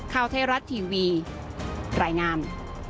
ข้าวเทศรัทย์ทีวีรายงาน